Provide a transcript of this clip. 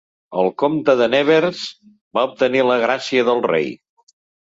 El comte de Nevers va obtenir la gràcia del rei.